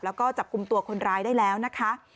แล้วก็จับกลุ่มตัวคนร้ายได้แล้วนะคะ